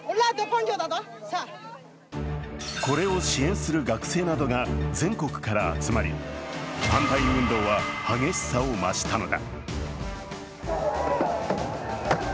これを支援する学生などが全国から集まり、反対運動は激しさを増したのだ。